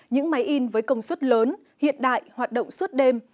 những máy in với công suất lớn hiện đại hoạt động suốt đêm